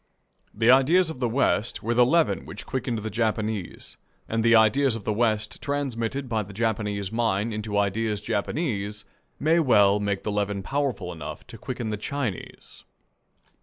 The ideas of the West were the leaven which quickened the Japanese; and the ideas of the West, transmitted by the Japanese mind into ideas Japanese, may well make the leaven powerful enough to quicken the Chinese.